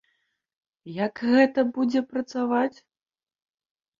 Як гэта будзе працаваць?